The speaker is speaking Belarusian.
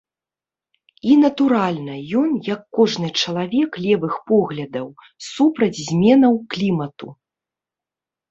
І, натуральна, ён, як кожны чалавек левых поглядаў, супраць зменаў клімату.